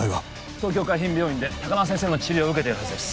東京海浜病院で高輪先生の治療を受けているはずです